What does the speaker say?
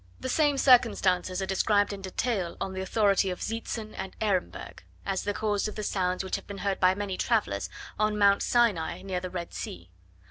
The same circumstances are described in detail on the authority of Seetzen and Ehrenberg, as the cause of the sounds which have been heard by many travellers on Mount Sinai near the Red Sea.